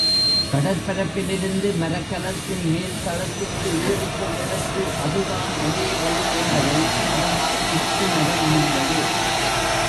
கடற்பரப்பிலிருந்து மரக்கலத்தின் மேல்தளத்திற்கு ஏறிச் செல்வதற்கு அதுதான் ஒரே வழி என்பதை அவனால் உய்த்துணர முடிந்தது.